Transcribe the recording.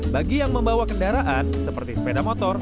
bagi yang membawa kendaraan seperti sepeda motor